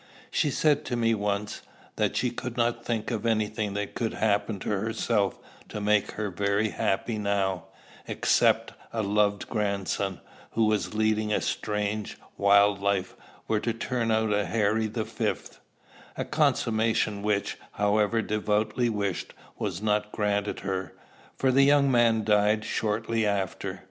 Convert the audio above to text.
She said to me once, that she could not think of any thing that could happen to herself to make her very happy now, except a loved grandson, who was leading a strange, wild life, were to turn out a Harry the Fifth, a consummation which, however devoutly wished, was not granted her; for the young man died shortly after.